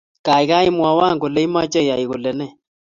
gaigai, mwowon kole imeche iyay kole ne?